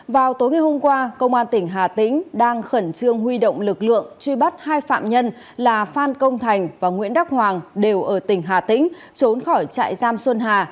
vào tối ngày hôm qua công an tỉnh hà tĩnh đang khẩn trương huy động lực lượng truy bắt hai phạm nhân là phan công thành và nguyễn đắc hoàng đều ở tỉnh hà tĩnh trốn khỏi trại giam xuân hà